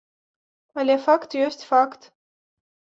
Але факт ёсць факт.